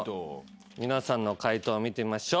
皆さんの解答を見てみましょう。